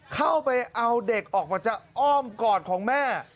เข้าไปเอาเด็กออกมาจากอ้อมกอดของแม่